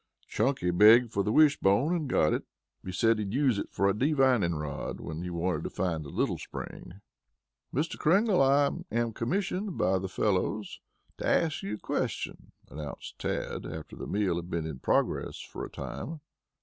Chunky begged for the wish bone and got it. He said he'd use it for a divining rod when he wanted to find a little spring. "Mr. Kringle, I am commissioned by the fellows to ask you a question," announced Tad, after the meal had been in progress for a time.